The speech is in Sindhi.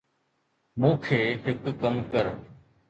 مون کي هڪ ڪم ڪر